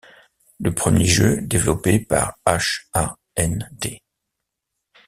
Le premier jeu développé par h.a.n.d.